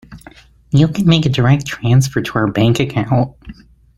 You can make a direct transfer to our bank account.